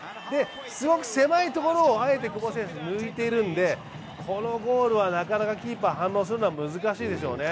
すごく狭いところをあえて久保選手、抜いているんでこのゴールはなかなかキーパーが反応するのは難しいでしょうね。